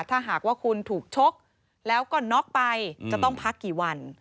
ถ้าหากว่าคุณถูกชกแล้วก็น็อกไปจะต้องพักกี่วัน